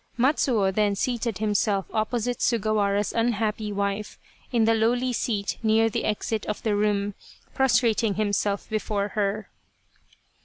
Matsuo then seated himself opposite Sugawara's unhappy wife in the lowly seat near the exit of the room, prostrating himself before her.